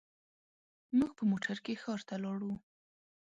موږ په موټر کې ښار ته لاړو.